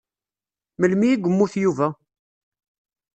Melmi i yemmut Yuba?